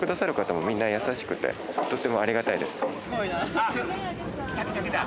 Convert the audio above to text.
あっ！来た来た来た。